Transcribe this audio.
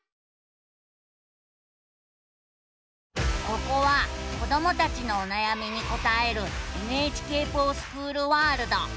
ここは子どもたちのおなやみに答える「ＮＨＫｆｏｒＳｃｈｏｏｌワールド」。